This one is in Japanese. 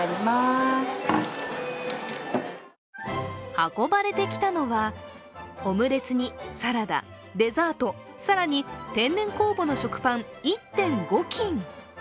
運ばれてきたのはオムレツにサラダ、デザート更に天然酵母の食パン１．５斤。